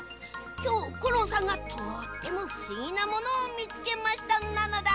きょうコロンさんがとってもふしぎなものをみつけましたなのだ。